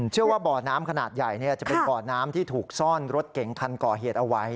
เชื่อว่าเบาะน้ำขนาดใหญ่เนี่ยจะเป็นเบาะน้ำที่ถูกซ่อนรถเก๋งคันก่อเหตุเอาไว้